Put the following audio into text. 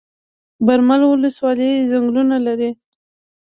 برمل ولسوالۍ ځنګلونه لري؟